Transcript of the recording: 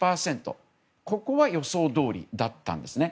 ここは予想どおりだったんですね。